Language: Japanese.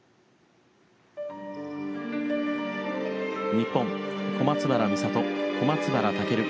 日本小松原美里小松原尊。